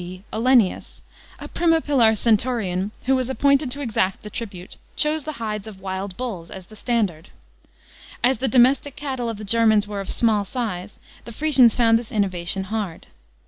D. Olennius, a primipilar centurion, who was appointed to exact the tribute, chose the hides of wild bulls as the standard. As the 186 THE PRINCIPATE OP TIBERIUS. CHAP, xu domestic cattle of the Germans were of small size, the Frisians found this innovation hard.